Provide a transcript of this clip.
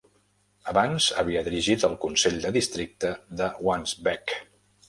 Abans havia dirigit el Consell de districte de Wansbeck.